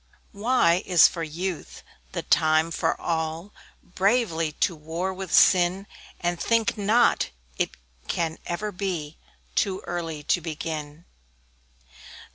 Y Y is for Youth the time for all Bravely to war with sin; And think not it can ever be Too early to begin.